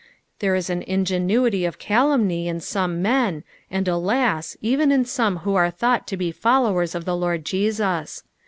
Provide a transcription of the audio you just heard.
There is an ingenuity of calumny in some men, and, alas I even iu some who are thought to be followers of the Lord Jesus.